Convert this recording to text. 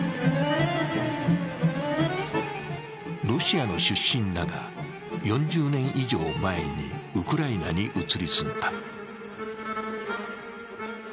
ロシアの出身だが、４０年以上前にウクライナに移り住んだ。